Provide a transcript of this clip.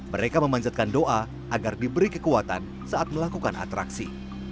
mereka memanjatkan doa agar diberi kekuatan saat melakukan atraksi